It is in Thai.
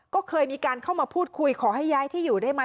ก็เคยมีการเข้ามาพูดคุยขอให้ย้ายที่อยู่ได้ไหม